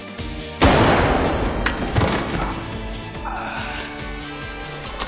ああ！？